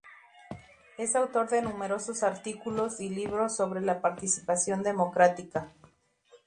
Es autor de numerosos artículos y libros sobre la participación democrática.